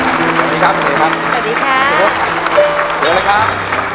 เจอแล้วครับ